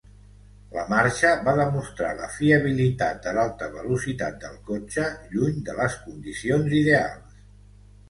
La marxa va demostrar la fiabilitat de l'alta velocitat del cotxe lluny de les condicions ideals.